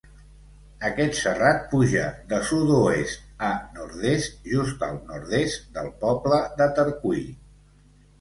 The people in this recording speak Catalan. Aquest serrat puja de sud-oest a nord-est just al nord-est del poble de Tercui.